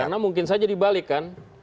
karena mungkin saja dibalikan